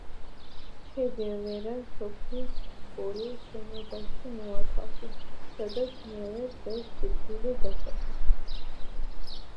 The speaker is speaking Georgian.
ჩე გევარა სოფლის სკოლის შენობაში მოათავსეს, სადაც მეორე დღეს სიკვდილით დასაჯეს.